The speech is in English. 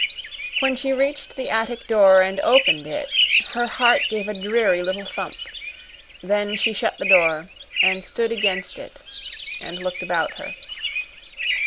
When she reached the attic door and opened it, her heart gave a dreary little thump. Then she shut the door and stood against it and looked about her.